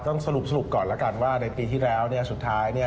ต้องสรุปก่อนแล้วกันว่าในปีที่แล้วสุดท้าย